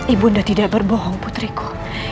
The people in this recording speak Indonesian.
ibu anda tidak berbohong putriku